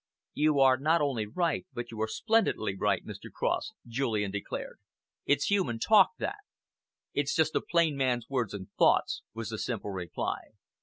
"You are not only right, but you are splendidly right, Mr. Cross," Julian declared. "It's human talk, that." "It's just a plain man's words and thoughts," was the simple reply.